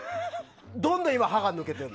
どんどん今、歯が抜けてる。